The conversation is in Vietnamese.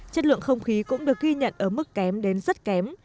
chất lượng không khí cũng được ghi nhận ở mức kém đến rất kém